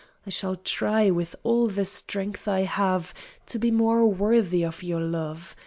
I shall try, with all the strength I have, to be more worthy of your love.